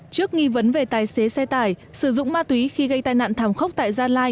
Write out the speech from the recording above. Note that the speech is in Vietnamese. trước nghi vấn về tài xế xe tải sử dụng ma túy khi gây tai nạn thảm khốc tại gia lai